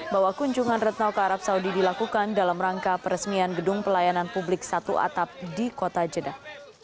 bahwa kunjungan retno ke arab saudi dilakukan dalam rangka peresmian gedung pelayanan publik satu atap di kota jeddah